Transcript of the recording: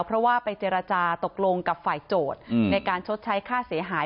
เพราะว่าไปเจรจาตกลงกับฝ่ายโจทย์ในการชดใช้ค่าเสียหาย